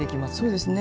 そうですね。